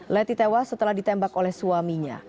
leti tewas setelah ditembak oleh suaminya